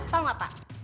tau gak pak